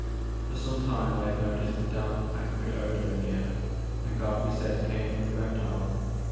For some time I had noticed a damp acrid odour in the air, and Godfrey said it came from the reptile.